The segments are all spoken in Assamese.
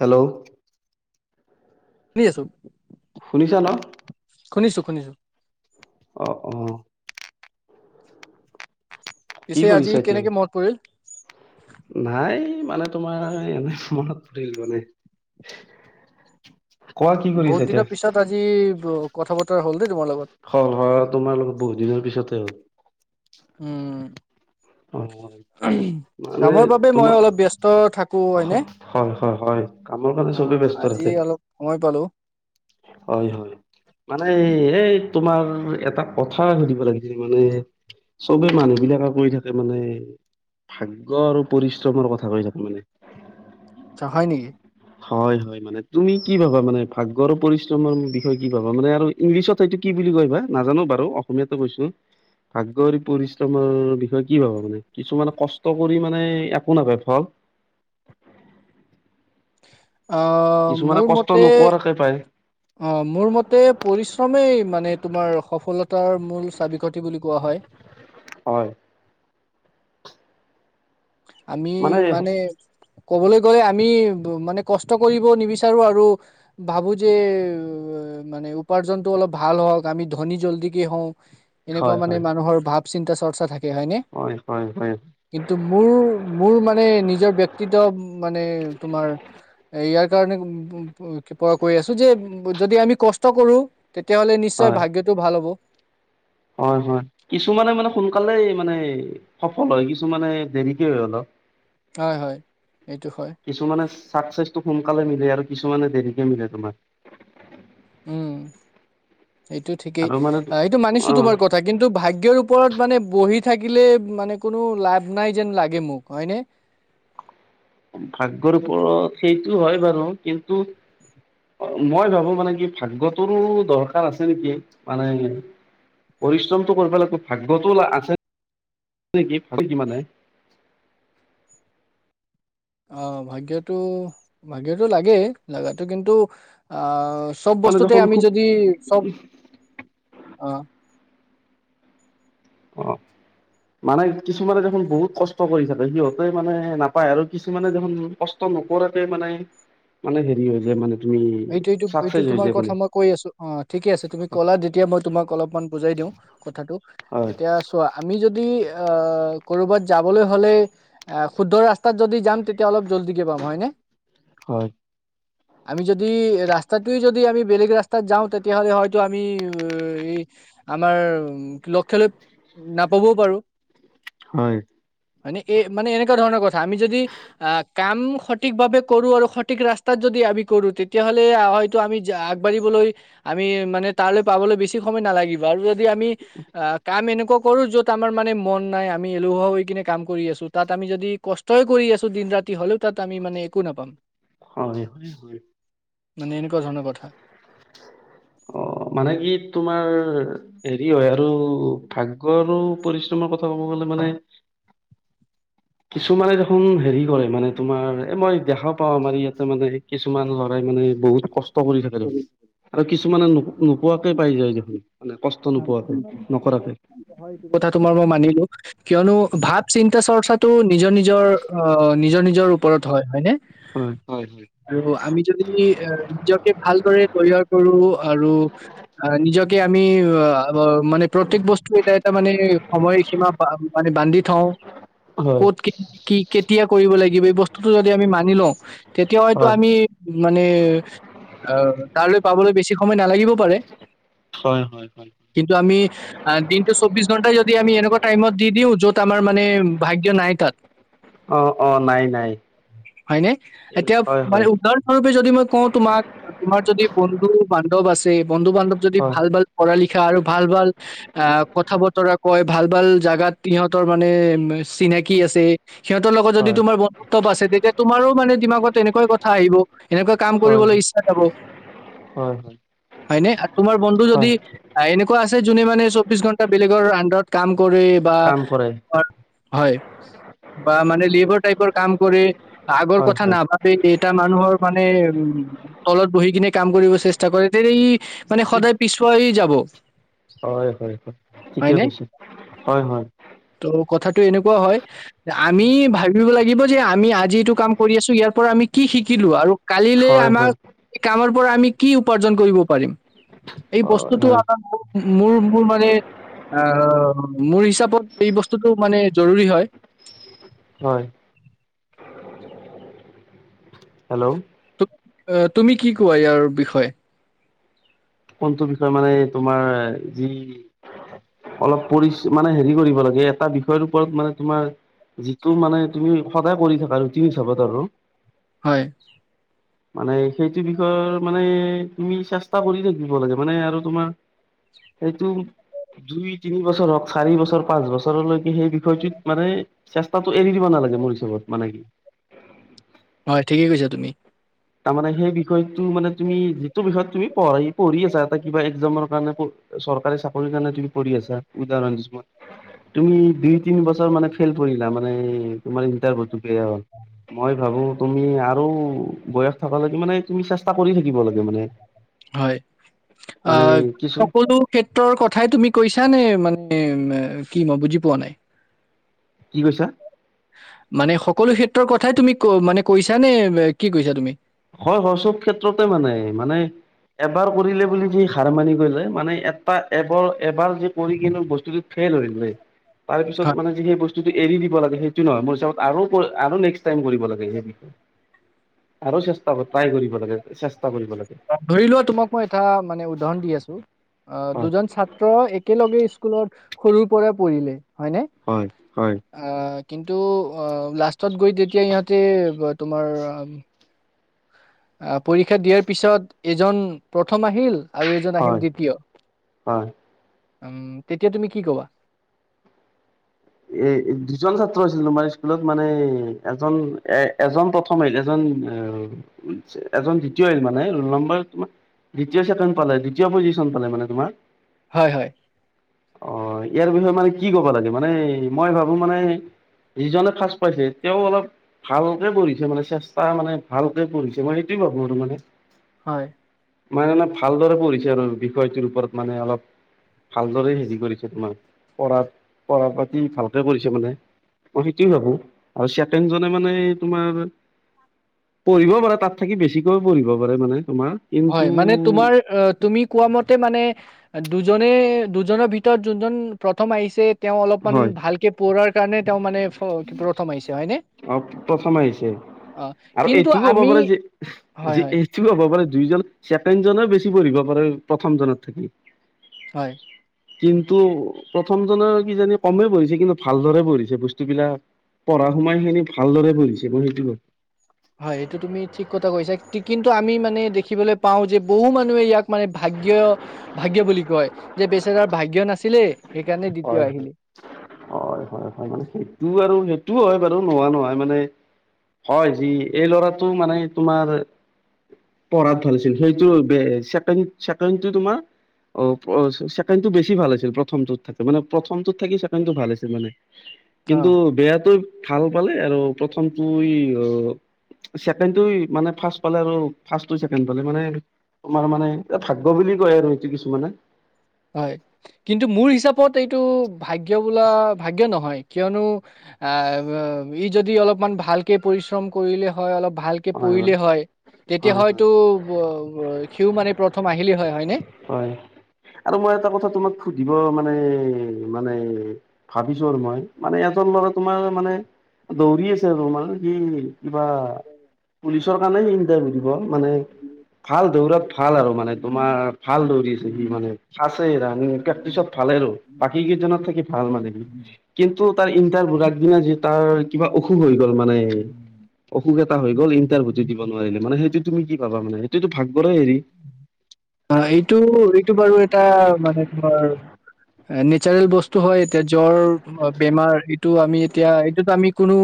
হেল্ল'। শুনি আছোঁ। শুনিছা ন। শুনিছোঁ শুনিছোঁ। অ অ। কি পিছে আজি কৰিছা এতিয়া কেনেকে মনত পৰিল নাই মানে তোমাৰ এনে মনত পৰিল মানে কোৱা কি কৰিছা বহুত এতিয়া দিনৰ পিছত আজি কথা বতৰা হ'ল দেই তোমাৰ লগত ফল স তোমাৰ লগোকত বহুত দিনৰ পিছতে হ'ল উম অ উম মানে কামৰ বাবে মই তোমাৰ অলপ ব্যস্ত থাকো হয়নে হয় হয় হয় কামৰ কাৰণে অ চবে ব্যস্ত থাকে আজি অলপ সময় পালো হয় হয় মানে উম, এই তোমাৰ এটা কথা সুধিব লাগিছিল মানে চবে মানুহ বিলাকে কৰি থাকে মানে ভাগ্য আৰু পৰিশ্ৰমৰ কথা কৈছ মানে আচা হয় নেকি হয় হয় মানে তুমি কি ভাবা মানে ভাগ্ৰ পৰিশ্ৰমৰ বিষয়ে কি ভাবা মানে আৰু ইংলিছত হয়টো কি বুলি কৈা নাজানো বাৰু অসমীয়াতে কৈছো ভাগ্যৰ পৰিশ্ৰমৰ বিষয়ে কি ভাব মানে কিছুমানে কষ্ট কৰি মানে একো নাপায় ফল উ অ মোৰ মতে নকৰাকে পায় অ মোৰ মতে পৰিশ্ৰমেই মানে তোমাৰ সফলতাৰ মূল চাবিকাঠি বুলি কোৱা হয় [inaudible] হয়। আমি মানে ক'বলৈ গ'লে আমি মানে কষ্ট কৰিব নিবিচাৰোঁ আৰু ভাবোঁ যে। মানে উপাৰ্জনটো অলপ ভাল হওঁক আমি ধনী জলদিকে হওঁ। এনেকুৱা মানে মানুহৰ ভাৱ চিন্তা চৰ্চা থাকে হয়-হয়-হয়, মোৰ-মোৰ মানে নিজৰ বক্তিত্ব মানে তোমাৰ ইয়াৰ কাৰণে কি পৰা কৈ আছো যে যদি আমি কষ্ট কৰো, তেতিয়াহ'লে নিশ্চয় ভাগ্যয়টো ভাল হ'ব। হয়-হয় কিছুমানে মানে সোনকালেই মানে সফল হয় কিছুমানে দেৰিকে হয় অলপ। হয় হয় এইটো হয় কিছুমানানে চাকচেচটো সোনকালে মিলে আৰু কিছু মানে দেৰিকে মিলে তোমাৰ। উম এইটো ঠিকেই আৰু মানে এইটো মানিছো অ তোমাৰ কথা কিন্তু ভাগ্যৰ উপ ওপৰত মানে বহি থাকিলে মানে কোনো লাভ নাই যেন লাগে মোক হয়নে। ভাগ্যৰ ওপৰত সেইটো হয় বাৰু কিন্তু মই ভাবো মানে কি ভাগ্যটোৰো দৰকাৰ আছে নেকি মানে পৰিশ্ৰমটো কৰিব লগবো ভাগ্যতটো আছে নেকি? [inaudible] অ ভাগ্যতটো-ভাগ্যতটো লাগেই লগটো কিন্তু অহ, চব মানে বস্তুতে দেখোন আমি খুব যদি চব অ। অ, মানে কিছুমানে দেখোন বহুত কষ্ট কৰি থাকে সিহঁতে মানে নাপায় আৰু কিছুমানে দেখোন কষ্ট নকৰাতে মানে-মানে হেৰি হৈ যায় মানে। তুমি এইটো-এইটো-এইটো চাকচেছ হৈ তোমাৰ যায় মানে কথা মই কৈ আছো অ ঠিকে আছে তুমি ক'লা তেতিয়া মই তোমাক অলপমান বুজাই দিওঁ। কথাটো হয় এতিয়া চোৱা আমি যদি অহ কৰোবাত যাবলে হলে অহ শুদ্ধ ৰাস্তাত যদি যাম তেতিয়া হলে জল্ডিকে পাম হয়নে, হয় আমি যদি ৰাস্তাটো যদি যদি আমি বেলেগ ৰাস্তাত যাওঁ তেতিয়াহলে হয়তো আমি এই আমাৰ লক্ষ্য লৈ নাপাবও পাৰো। হয়। মানে এ মানে এনেকুৱা ধৰণৰ কথা আমি যদি আহ, কাম সঠিক ভাৱে কৰো আৰু সঠিক ৰাস্তাত যদি যদি আমি কৰো তে তেতিয়াহ'লে হয়তো আমি আগবাঢ়িবলৈ আমি মানে তালৈ পাবলৈ বেছি সময় নালাগিব আৰু যদি আমি কাম এনেকুৱা কৰো যত আমাৰ মানে মন নাই, আমি এলেহুৱা হৈ কিনে কাম কৰি আছো তাত আমি। যদি কষ্টই কৰি আছো দিন ৰাতি হলেও তাত আমি মানে একো নাপাম। হয় হয় হয় মানে এনেকুৱা ধৰণৰ কথা অ' মানে কি তোমাৰ হেৰি হয় আৰু ভাগ্যয় আৰু পৰিশ্ৰমৰ কথা ক'ব গলে মানে। কিছুমানে দেখোন হেৰি কৰে মানে তোমাৰ এ মই দেখাও পাওঁ আমাৰ ইয়াতে মানে কিছুমান মানে বহুত কষ্ট কৰি থাকে দেখো আৰু কিছুমানে নো নোপোৱাকে পাই যায় দেখোন। মানে কষ্ট নোপোৱাকে নকৰাকে এইটো কথা তোমাৰ মই মানিলো কিয়নো ভাৱ চিন্তা চৰ্চাটো নিজৰ-নিজৰ অ' নিজৰ-নিজৰ ওপৰত হয় হয়নে? হয় হয় আৰু আমি যদি এ নিজকে ভালদৰে তৈয়াৰ কৰো আৰু নিজকে আমি, আহ মানে প্ৰত্যেক বস্তু এটা মানে সময়সীমা মানে বান্ধি থওঁ। ক'ত হয় কি কেতিয়া কৰিব লাগিব এই বস্তুটো যদি আমি মানি লওঁ। তেতিয়া হয়তো আমি মানে অহ তালৈ পাবলৈ বেছি সময় নালাগিব পাৰে। হয় হয় হয় কিন্তু আমি দিনটো চৌব্বিশ ঘণ্টা যদি আমি এনেকুৱা টাইমত দি দিওঁ য'ত আমাৰ মানে ভাগ্য নাই তাত। অ-অ নাই-নাই। হয় নে এতিয়া মানে উদাহৰণ স্বৰূপে যদি মই কওঁ তোমাক তোমাৰ যদি বন্ধু বান্ধৱ আছে বন্ধু বান্ধৱ যদি হয় ভাল ভাল লিখা আৰু ভাল ভাল কথা বতৰা কয় ভাল ভাল জাগাত সিহঁতৰ মানে চিনাকি আছে সিহঁতৰ লগত যদি হয় তোমাৰ বন্ধুত্ব আছে তেতিয়া তোমাৰো মানে দিমাগত তেনেকুৱাই কথা আহিব এনেকুৱা কাম হয় কৰিবলৈ ইচ্ছা যাব। হয় হয় হয় নে তোমাৰ বন্ধু যদি হয় এনেকুৱা আছে যোনে মানে চৌবিশ ঘণ্টা বেলেগৰ আন্ডাৰত কাম কৰে বা কাম কৰে হয়। বা মানে লেবাৰ টাইপৰ কাম কৰে আগৰ হয় কথা হয় নাভাবে এটা মানুহৰ মানে তলত বহি কিনে কাম কৰিব চেষ্টা কৰে তে নে ই সদায় পিছ পৰি যাব। হয় হয় হয় ঠিকে হয়নে কৈছে হয় হয়। ত' কথাটো এনেকুৱা হয় আমি ভাবিব লাগিব যে আমি আজি এইটো কাম কৰি আছো ইয়াত পৰা আমি কি শিকিলো আৰু কালিলৈ হয় আমাৰ হয় কামৰ পৰা আমি কি উপাৰ্জন কৰিব পাৰিম। এই হয় বস্তুটো হয় আমাৰ ম মোৰ মোৰ মানে আহ, মোৰ হিচাপত এই বস্তুটো মানে জৰুৰী হয়। হয় হেল্ল' তো- আহ তুমি কি কোৱা ইয়াৰ বিষয়ে? কোনটো বিষয় মানে তোমাৰ যি অলপ পৰিচ মানে হেৰি কৰিব লাগে এটা বিষয়ৰ ওপৰত মানে তোমাৰ যিটো মানে তুমি সদায় কৰি থাকা ৰুটিন হিচাপত আৰু হয়। মানে সেইটো বিষয়ৰ মানে তুমি চেষ্টা কৰি থাক। থাকিব লাগে মানে আৰু তোমাৰ সেইটো দুই তিনি বছৰ হওক চাৰি বছৰ পাঁচ বছৰলৈকে সেই বিষয়টোত মানে চেষ্টাটো এৰি দিব নালাগে। নালাগে মোৰ হিচাপত মানে কি। হয় ঠিকেই কৈছা তুমি। তাৰ মানে সেই বিষয়টো মানে তুমি যিটো বিষয়ত তুমি পঢ় পঢ়ি আছা এটা কিবা এক্সামৰ কাৰণে। চৰকাৰী চাকৰিৰ কাৰণে তুমি পঢ়ি আছা উদাহৰণ দিছো মই তুমি দুই তিনি বছৰ মানে ফেইল কৰিলা মানে তোমাৰ ইন্টাৰভিউটোত। বেয়া হল মই ভাবো তুমি আৰু বয়স থকা লকে মানে তুমি চেষ্টা কৰি থাকিব লাগে। মানে হয়। অ মানে কিছু সকলো ক্ষেত্ৰৰ কথাই তুমি কৈছানে মানে কি মই বুজি পোৱা নাই। কি কৈছা? মানে সকলো ক্ষেত্ৰৰ কথাই তুমি ক মানে কৈছা নে কি কৈছা তুমি? হয় হয় চব ক্ষেত্ৰতে মানে মানে এবাৰ কৰিলে বুলি যি হাৰ মানি গলে মানে এটা এবাৰ এবাৰ যে কৰি কিনে বস্তুটো। ফেল হৈ গৈ তাৰ পিছত হয়, মানে যি সেই বস্তুটো এৰি দিব লাগে সেইটো নহয় মোৰ হিচাপত আৰু কৰি আৰু নেক্সট টাইম কৰিব লাগিব সেই বিষয়ে আৰু চেষ্টা ট্ৰাই কৰিব লাগে। কৰিব লাগে ধৰি লোৱা তোমাক মই এটা মানে উদাহৰণ দি আছো অ হয় দুজন ছাত্ৰ একেলগে স্কুলত সৰুৰ পৰা পঢ়িলে হয় নে? কিন্তু লাষ্টত গৈ তেতিয়া ইহতে তোমাৰ আহ পৰীক্ষা দিয়াৰ পিছত এজন প্ৰথম আহিল। আৰু এজন আহিল হয় দ্বিতীয়। হয় উম তেতিয়া তুমি কি কবা? এ দুজন ছাত্ৰ আছিল তোমাৰ স্কুলত মানে এজন এ এজন প্ৰথম আহিল এজন এজন দ্বিতীয় হল মানে ৰোল নম্বৰ তোমাৰ দ্বিতীয় [unintelligible] পালে দ্বিতীয় পজিশন পালে মানে তোমাৰ। হয় হয় অ ইয়াৰ বিষয়ে মানে কি ক'ব লাগে মানে মই ভাবো মানে যিজনে ফাৰ্ষ্ট পাইছে তেওঁ অলপ ভালকে পঢ়িছে মানে চেষ্টা মানে ভালকে পঢ়িছে মানে সেটো তো ভাবোঁ মানে হয় মানে মানে ভালদৰে পঢ়িছে আৰু বিষয়টোৰ ওপৰত মানে অলপ ভালদৰে হেৰি কৰিছে তোমাৰ পঢ়া পঢ়া পাতি ভালকে কৰিছে মানে অ সেইটোয়ে ভাবো আৰু চিকেনজনে মানে তোমাৰ পঢ়িবও পাৰে তাত থাকি বেছিকৈ পঢ়িব পাৰে মানে তোমাৰ কিন্তু হয় মানে তোমাৰ অ তুমি কোৱা মতে মানে দুজনে দুজনৰ ভিতৰত যোনজন প্ৰথম আহিছে তেওঁ অলপমান হয় ভালকে পঢ়াৰ কাৰণে তেওঁ মানে ফ্ৰ প্ৰথম আহিছে হয়নে? অ প্ৰথমে আহিছে অ আৰু কিন্তু এইটোও আমি হ'ব পাৰে যে হয় যে হয় এইটো হ'ব পাৰে দুইজন ছেকেণ্ড জনে বেছি পঢ়িব পাৰে প্ৰথম জনত থাকি হয় কিন্তু প্ৰথমজনৰ কি জানি কমেই পঢ়িছে কিন্তু ভালদৰে পঢ়িছে বস্তুবিলাক পঢ়া সময় খিনি ভালদৰে পঢ়িছে মই সেইটো কম হয় এইটো তুমি ঠিক কথা কৈছা কিন্তু আমি মানে দেখিবলৈ পাও যে বহু মানুহে ইয়াক মানে ভা ভাগ্য ভাগ্যয় বুলি কয় যে বেচৰা ভাগ্য নাছিলে সেইকাৰণে দ্বিতীয় হয় হয় আহিলে হয় হয় হয় মানে সেইটো আৰু সেইটো হয় বাৰু নোহোৱা নহয় মানে হয় যি এই ল'ৰাটো মানে তোমাৰ পঢ়াত ভাল আছিল সেইটো বে চেকেন্ড চেকেন্ড তো তোমাৰ অ প্ৰ চেকেন্ড টো বেছি ভাল হৈছিল প্ৰথমটোত থাকি মানে প্ৰথমটোত থাকি চেকেন্ডটো ভাল হৈছে মানে অ কিন্তু বেয়াটো ভাল পালে আৰু প্ৰথমটো ই অ চেকেন্ড টোই মানে ফাষ্ট পালে আৰু ফাষ্ট টো চেকেন্ড পালে মানে তোমাৰ মানে এ ভাগ্য বুলি কয় আৰু এইটো কিছুমানে হয় কিন্তু মোৰ হিচাপত এইটো ভাগ্য বোলা ভাগ্য নহয় কিয়নো আহ ই যদি অলপমান ভালকে পৰিশ্ৰম কৰিলে হয় অলপ ভালকে পঢ়িলে হয় তেতিয়া হয় হয় হয়তো ৱ ৱ সিউ মানে প্ৰথম আহিলেই হয় হয়নে! হয়। আৰু মই এটা কথা তোমাক সুধিব মানে মানে ভাবিছো আৰু মই মানে এজন ল'ৰা তোমাৰ মানে দৌৰি আছে আৰু তোমানে কি কিবা পুলিচৰ কাৰণে ইণ্টাৰভিউ দিব মানে। ভাল দৌৰাত ভাল আৰু মানে তোমাৰ ভাল দৌৰিছে সি মানে খাছে ৰানিং প্ৰেক্টিচত ভাল। বাকি কিজনত থাকি ভাল মানে সি কিন্তু। তাৰ ইণ্টাৰভিউ আগদিনা যে তাৰ কিবা অসুখ হৈ গ'ল মানে অসুখ এটা হৈ। ইণ্টাৰভিউ টো দিব নোৱাৰিলে মানে সেইটো তুমি কি ভাবা মানে সেইটোতো ভাগ্যৰেই হেৰি। অঁ এইটো এইটো বাৰু এটা মানে ধৰ নেচাৰেল বস্তু হয় এতিয়া জ্বৰ বেমাৰ এইটো আমি এতিয়া এইটোত আমি কোনো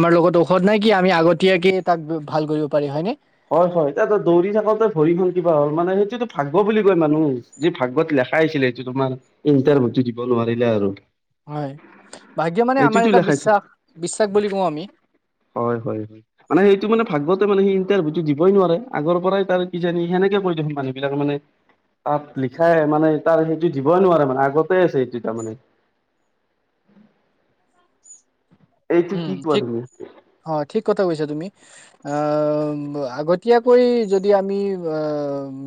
আমাৰ লগত ঔষধ নাই কি আমি আগতীয়াকে তাক ভাল কৰিব পাৰি হয় নে হয় হয় এয়া দৌৰি থাকোতে ভৰিখন কিবা হ'ল মানে সেইটোতো ভাগ্য বুলি কয় মানুহ যি ভাগ্যত লে খাইছিলে সেটো তোমাৰ ইণ্টাৰভিউটো দিব নোৱাৰিলে আৰু হয় ভাগ্য মানে আমাৰ এইটোতো এটা লেখাইছে বিশ্বাস বিশ্বাস বুলি কওঁ আমি হয় হয় হয় মানে সেইটো মানে ভাগ্যত ইণ্টাৰভিউ টো দিবই নোৱাৰে আগৰ পৰাই তাৰ কিজানি সেনেকে কৈ থাকে মানুহ বিলাক মানে তাত লিখাই মানে তাৰ সেইটো দিবই নোৱাৰে মানে আগতে আছে সেটো তাৰ মানে [inaudible] উম ঠিক তুমি অঁ ঠিক কথা কৈছা তুমি। আঁহ আগতীয়াকৈ যদি আমি আঁহ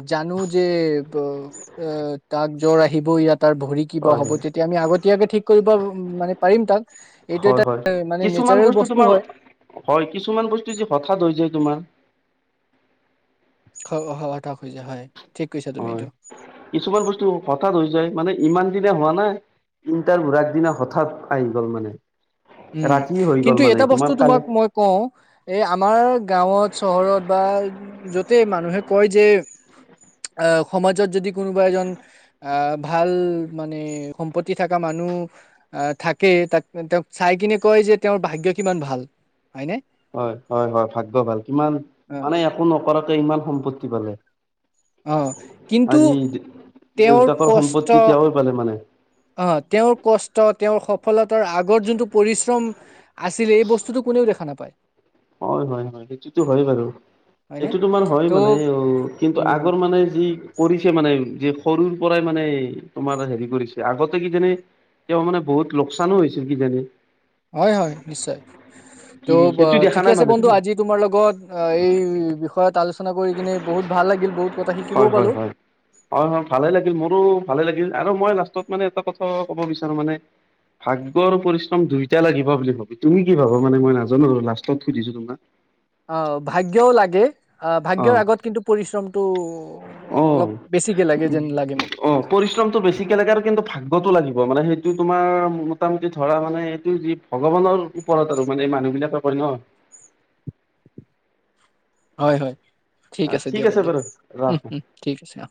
এ জানো যে এইটো তাত জ্বৰ আহিব ইয়াত। তাৰ ভৰি কিবা হয় হ'ব হয় তেতিয়া আমি আগতীয়াকে ঠিক কৰিব মানে পাৰিম তাক এইটো হয় এটা এ, মানে কিছুমান নেচাৰেল বস্তু তোমাৰ হয় হয় কিছুমান বস্তু যি হঠাৎ হৈ যায় তোমাৰ খ অহা এটা খোজা হয়। ঠিক কৈছা তুমি হয় এইটো কিছুমান বস্তু হঠাৎ হৈ যায়। মানে ইমান দিনে হোৱা নাই, ইণ্টাৰভ ঘোৰাদিনা হঠাৎ আহি গ'ল মানে। উম, ৰাতি হৈ গ'ল কিন্তু মানে এটা তোমাৰ বস্তু কালি তোমাক মই কওঁ এ আমাৰ গাঁৱত চহৰত বা উ যাতে মানুহে কয় যে আঁহ সমাজত যদি কোনোবা এজন আঁহ ভাল মানে সম্পত্তি থকা মানুহ। মানুহ আঁহ থাকে তাক তেওঁক চাই কিনে কয় যে তেওঁৰ ভাগ্য কিমান ভাল। হয়নে হয় হয় হয় ভাগ্য ভাল কিমান অ মানে একো নকৰাকে ইমান সম্পত্তি পালে। আঁহ কিন্তু আজি তেওঁৰ দেউতাকৰ সম্পত্তি কষ্ট তেওঁৱে পালে মানে অঁ তেওঁৰ কষ্ট, তেওঁৰ সফলতাৰ, আগৰ যোনটো পৰিশ্ৰম আছিলে এই বস্তুটোৰ কোনেওঁ দেখা নাপাই। হয় হয় হয় সেইটোতো হয় বাৰু। হয়নে এইটো তোমাৰ হয় ত' মানে অঁ কিন্তু উম আগৰ মানে যি কৰিছে মানে। যে সৰুৰ পৰাই মানে তোমাৰ হেৰি কৰিছে আগতে কি যানে। তেওঁ মানে বহুত লোকচানো হৈছিল কিজানি হয় হয় নিশ্চয় ত'। কি সেইটো দেখা ঠিকে নাই আছে মানে বন্ধু আজি তোমাৰ লগত অঁ এই বিষয়ত। চনা কৰি কিনে বহুত ভাল লাগিল বহুত কথা শিকিবওঁ হয় হয় পালো। হয় হয় হয় ভালে লাগিল, মোৰো ভালে লাগিল, আৰু মই লাষ্টত মানে এটা কথা কব বিচাৰো মানে। ভাগ্য আৰু পৰিশ্ৰম দুইটা লাগিব বুলি ভাবি তুমি কি ভাবা মানে মই নাজানো আৰু লাষ্টত সুধিছো তোমাকহ অঁ ভাগ্যও লাগে। আহ ভাগ্যৰ আগত কিন্তু পৰিশ্ৰমটো অ অ অলপ বেছিকে লাগে যেন লাগে মোক। অ পৰিশ্ৰমটো বেছিকে লাগে আৰু কিন্তু ভাগ। ভাগ্যটো লাগিব মানে সেইটো তোমাৰ মোটামুটি ধৰা মানে এইটো যি ভগৱানৰ ওপৰত আৰু মানে মানুহ মিলত হয় ন'হ হয় হয়। ঠিক আছে দিয়া বন্ধু উমম ঠিক আছে অ